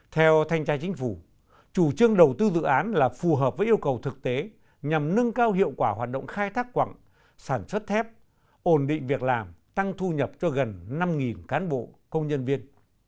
theo thanh tra chính phủ chủ trương đầu tư dự án là phù hợp với yêu cầu thực tế nhằm nâng cao hiệu quả hoạt động khai thác quặng sản xuất thép ổn định việc làm tăng thu nhập cho gần năm cán bộ công nhân viên